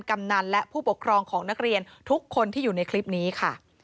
กำนันและผู้ปกครองของนักเรียนทุกคนที่อยู่ในคลิปนี้ค่ะ